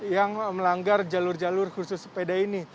yang melanggar jalur jalur khusus sepeda ini